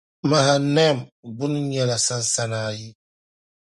Mahanaim gbinni nyɛla sansana ayi.